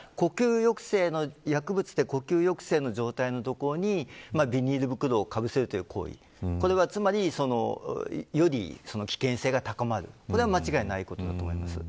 薬物で呼吸抑制の状態のところにビニール袋をかぶせるという行為はより危険性が高まることは間違いありません。